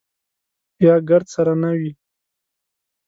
یا ګرد سره نه وي.